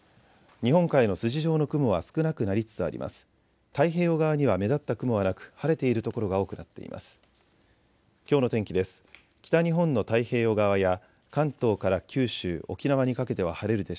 日本海の筋状の雲は少なくなりつつあります。